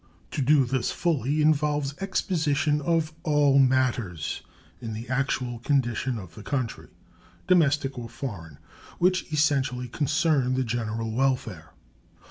To do this fully involves exposition of all matters in the actual condition of the country, domestic or foreign, which essentially concern the general welfare.